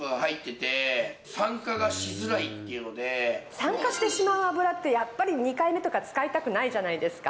酸化してしまう油って２回目とか使いたくないじゃないですか。